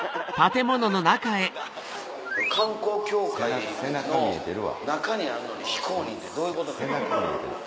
観光協会の中にあんのに非公認ってどういうことなん？